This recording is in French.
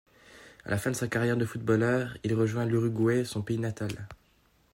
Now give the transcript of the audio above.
À la fin de sa carrière de footballeur, il rejoint l'Uruguay son pays natal.